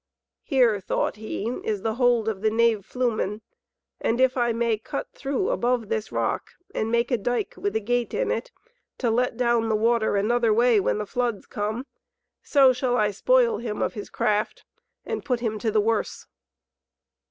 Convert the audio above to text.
"Here," thought he, "is the hold of the knave Flumen, and if I may cut through above this rock and make a dyke with a gate in it, to let down the water another way when the floods come, so shall I spoil him of his craft and put him to the worse."